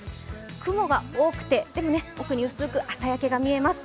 雲が多くてでも奥に薄く朝焼けが見えます。